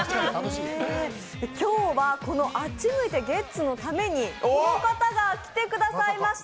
今日はこの「あっち向いてゲッツ」のためにこの方が来てくださいました！